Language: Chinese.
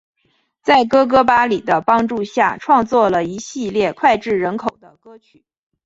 在哥哥巴里的帮助下创作了一系列脍炙人口的歌曲。